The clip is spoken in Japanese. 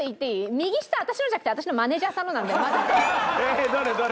右下私のじゃなくて私のマネージャーさんのなので混ざってる。